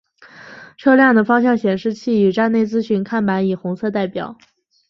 车辆的方向显示器与站内资讯看板以红色代表。